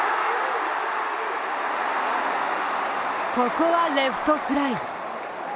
ここはレフトフライ。